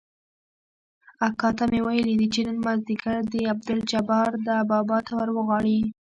اکا ته مې ويلي دي چې نن مازديګر دې عبدالجبار ده بابا ته وروغواړي.